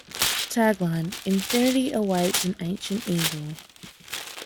Tagline: 'Infinity awaits an ancient evil'.